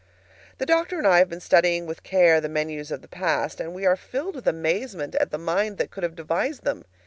The doctor and I have been studying with care the menus of the past, and we are filled with amazement at the mind that could have devised them.